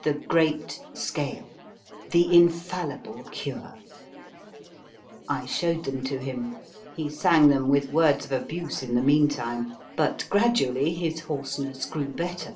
The great scale, the infallible cure. I showed them to him; he sang them, with words of abuse in the meantime; but grad 48 HOW TO SING ually his hoarseness grew better.